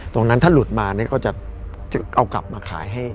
ตรงนั้นถ้าหลุดมาเนี่ยก็จะเอากลับมาขายให้